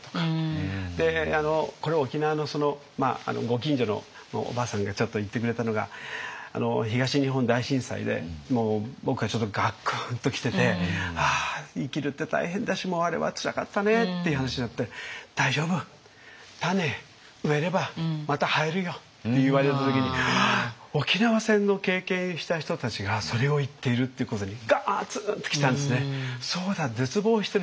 これ沖縄のご近所のおばあさんがちょっと言ってくれたのが東日本大震災で僕はちょっとガクーンと来てて「ああ生きるって大変だしもうあれはつらかったね」っていう話になって「大丈夫。種植えればまた生えるよ」って言われた時にああ沖縄戦の経験した人たちがそれを言っているっていうことにガツーンと来たんですね。